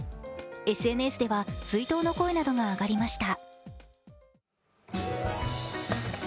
ＳＮＳでは追悼の声などが上がりました。